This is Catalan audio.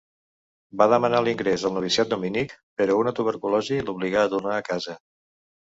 Va demanar l'ingrés al noviciat dominic, però una tuberculosi l'obligà a tornar a casa.